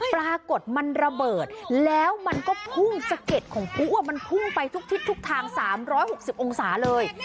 ปรากฏมันระเบิดแล้วมันก็พุ่งสะเก็ดของผู้มันพุ่งไปทุกทิศทุกทาง๓๖๐องศาเลย